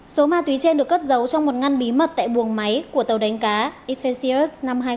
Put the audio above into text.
số ma túy trên được cất giấu trong một ngăn bí mật tại buồng máy của tàu đánh cá efesios năm trăm hai mươi